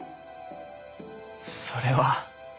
それは。